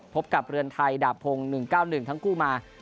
พบกับเรือนไทยดาบพงศ์๑๙๑ทั้งคู่มา